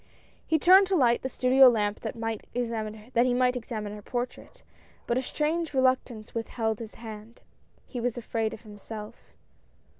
He turned to light the studio lamp that he might examine her portrait, but a strange reluctance withheld his hand. He was afraid of himself.